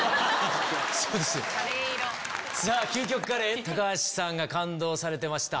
さぁ究極カレーに橋さんが感動されてました。